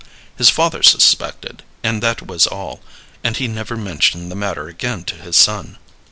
His father suspected, and that was all, and he never mentioned the matter again to his son.